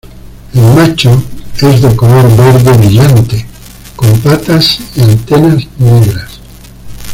El macho es de color verde brillante, con patas y antenas negras.